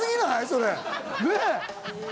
それねえ